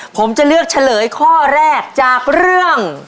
ผมจะเลือกเฉลยข้อแรกจากเรื่อง